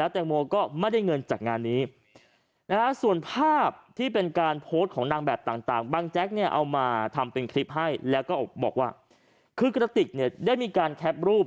ทำเป็นคลิปให้แล้วก็บอกว่าคืนกระติกได้มีการแคปรูป